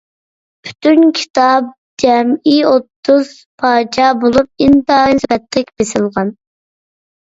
پۈتۈن كىتاب جەمئىي ئوتتۇز پارچە بولۇپ، ئىنتايىن سۈپەتلىك بېسىلغان.